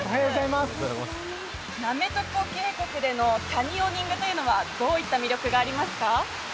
滑床渓谷でのキャニオニングというのはどういった魅力がありますか？